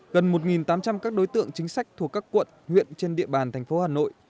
gần một tám trăm linh các đối tượng chính sách thuộc các quận huyện trên địa bàn thành phố hà nội